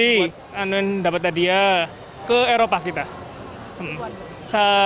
dan dapat hadiah ke eropa kita